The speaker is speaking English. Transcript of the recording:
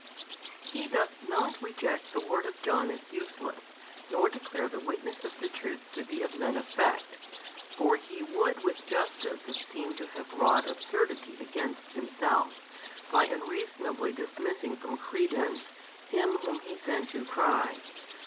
He doth not reject the word of John as useless, nor declare the witness of the truth to be of none effect (for He would with justice have seemed to have wrought |283 absurdity against Himself, by unreasonably dismissing from credence him whom He sent to cry.